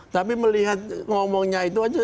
tapi melihat ngomongnya itu aja